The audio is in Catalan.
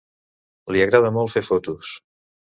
Li agrada molt fer fotos.